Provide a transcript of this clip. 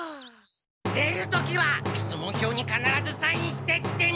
出る時は出門票にかならずサインしてってね！